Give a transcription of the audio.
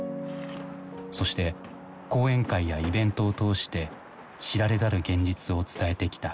そして講演会やイベントを通して知られざる現実を伝えてきた。